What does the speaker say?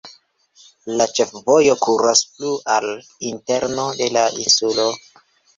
La ĉefvojo kuras plu al interno de la insulo.